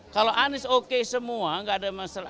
kalau anies oke semua nggak ada masalah